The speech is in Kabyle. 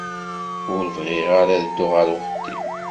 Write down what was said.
Ur bɣiɣ ara ad dduɣ ɣer uxeddim.